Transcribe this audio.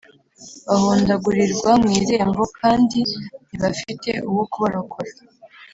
Bahondaguriwra mu irembo kandi ntibafite uwo kubarokora